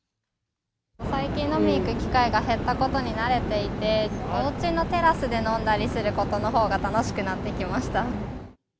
最近飲みいく機会が減ったことに慣れていて、おうちのテラスで飲んだりすることのほうが楽しくなってきました。